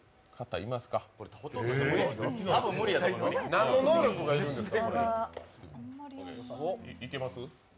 何の能力が要るんですか。